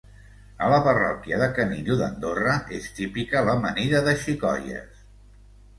A la parròquia de Canillo d'Andorra és típica l'amanida de xicoies.